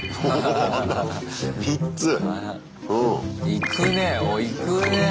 いくねぇおっいくねぇ。